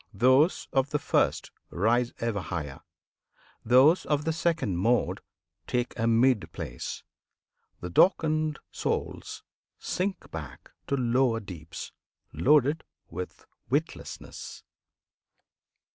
Those of the first Rise ever higher; those of the second mode Take a mid place; the darkened souls sink back To lower deeps, loaded with witlessness!